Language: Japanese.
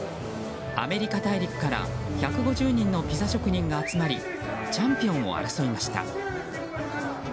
アメリカ大陸から１５０人のピザ職人が集まりチャンピオンを争いました。